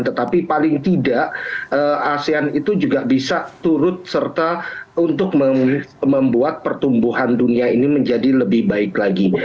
tetapi paling tidak asean itu juga bisa turut serta untuk membuat pertumbuhan dunia ini menjadi lebih baik lagi